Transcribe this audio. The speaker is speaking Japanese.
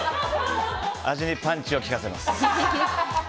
味にパンチを利かせます。